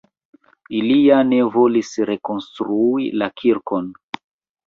Ili ja ne volis rekonstruis la kirkon.